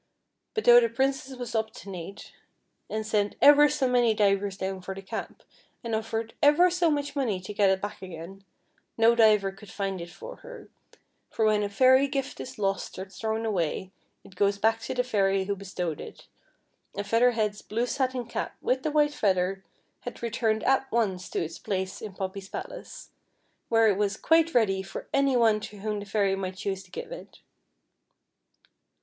But though the Princess was obstinate, and sent ever so many divers down for the cap, and offered ever so much money to get it back again, no diver could find it for her, for when a fairy gift is lost or thrown away, it goes back to the fairy who bestowed it, and Feather Head's blue satin cap, with the white feather, had returned at once to its place in Poppy's palace, where it was quite ready for any one to whom the Fairy might choose to give it.